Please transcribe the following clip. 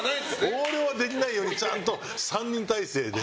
横領はできないようにちゃんと３人体制で。